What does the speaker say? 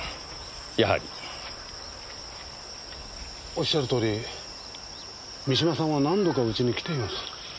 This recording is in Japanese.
おっしゃるとおり三島さんは何度かうちに来ています。